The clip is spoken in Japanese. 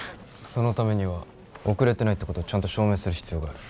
そのためには遅れてないってことをちゃんと証明する必要がある。